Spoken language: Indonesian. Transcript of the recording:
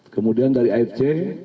kemudian dari afj